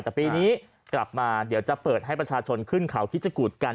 แต่ปีนี้กลับมาเดี๋ยวจะเปิดให้ประชาชนขึ้นเขาคิดชะกูดกัน